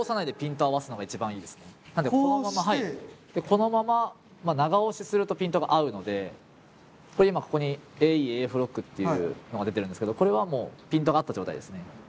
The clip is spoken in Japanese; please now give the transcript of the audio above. このまま長押しするとピントが合うのでこれ今ここにＡＥ／ＡＦロックっていうのが出てるんですけどこれはもうピントが合った状態ですね。